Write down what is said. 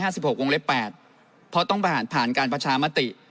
สิบหกวงเล็บแปดเพราะต้องผ่านผ่านการประชามติ